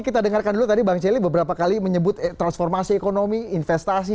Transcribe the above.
kita dengarkan dulu tadi bang celi beberapa kali menyebut transformasi ekonomi investasi